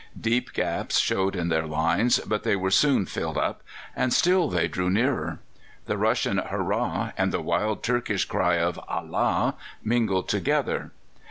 Deep gaps showed in their lines, but they were soon filled up, and still they drew nearer. The Russian "Hurrah!" and the wild Turkish cry of "Allah!" mingled together.